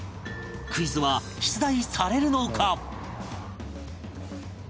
クイズは出題されるのか？